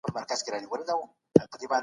وړه خبره سـوه بـبــره